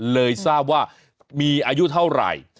เลยทราบว่ามีอายุเท่าไหร่